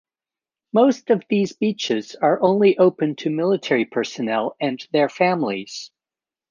Most of these beaches are only open to military personnel and their families.